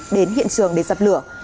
đến hiện trường để dập lửa